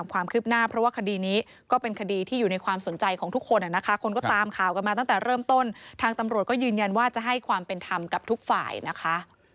วิญญาณว่าจะให้ความเป็นธรรมกับทุกฝ่ายนะคะ